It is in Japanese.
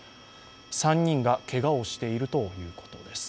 ３人がけがをしているということです。